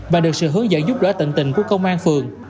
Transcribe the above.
và được sự hướng dẫn giúp đỡ tận tình của công an phường